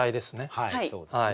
はいそうですね。